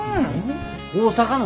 大阪の。